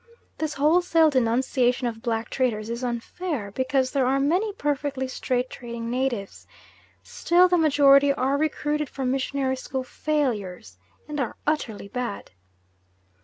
This wholesale denunciation of black traders is unfair, because there are many perfectly straight trading natives; still the majority are recruited from missionary school failures, and are utterly bad.